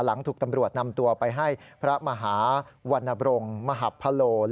หลังถูกตำรวจนำตัวไปให้พระมหาวรรณบรงมหับพะโล